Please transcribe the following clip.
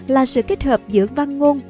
là sự kết hợp giữa văn ngôn